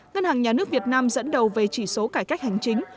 ngân hàng nhà nước việt nam dẫn đầu về chỉ số cải cách hành chính